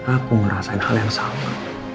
aku ngerasain hal yang sama